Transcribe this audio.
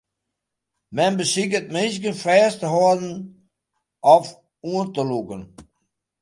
Men besiket minsken fêst te hâlden of oan te lûken.